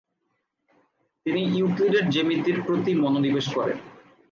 তিনি ইউক্লিডের জ্যামিতির প্রতি মনোনিবেশ করেন।